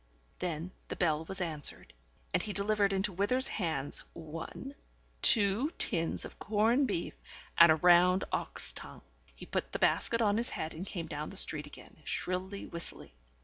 ... Then the bell was answered, and he delivered into Withers's hands one, two tins of corned beef and a round ox tongue. He put the basket on his head and came down the street again, shrilly whistling.